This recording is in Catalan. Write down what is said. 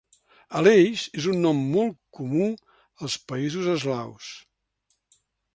Aleix és un nom molt comú als països eslaus.